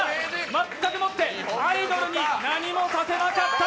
全くもってアイドルに何もさせなかった。